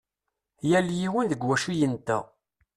Yal yiwen deg wacu i yenta.